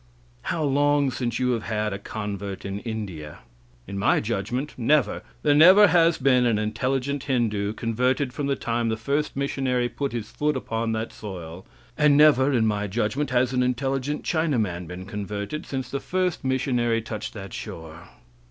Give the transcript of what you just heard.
How long since you have had a convert in India? In my judgment, never; there never has been an intelligent Hindoo converted from the time the first missionary put his foot upon that soil; and never, in my judgment, has an intelligent Chinaman been converted since the first missionary touched that shore.